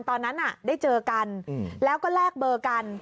ตอนนั้นได้เจอกันแล้วก็แลกเบอร์กัน